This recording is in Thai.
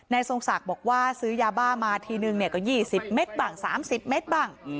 ทรงศักดิ์บอกว่าซื้อยาบ้ามาทีนึงก็๒๐เมตรบ้าง๓๐เมตรบ้าง